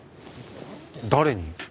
誰に？